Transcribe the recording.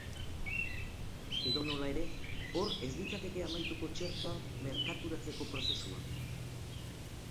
Edonola ere, hor ez litzateke amaituko txertoa merkaturatzeko prozesua.